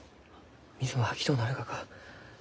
水も吐きとうなるがか？